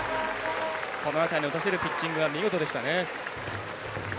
この辺りの打たせるピッチングは見事でしたね。